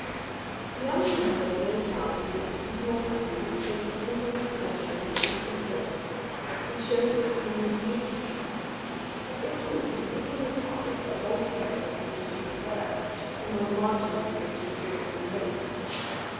The young traveller gazed out into this dismal country with a face of mingled repulsion and interest, which showed that the scene was new to him. At intervals he drew from his pocket a bulky letter to which he referred, and on the margins of which he scribbled some notes.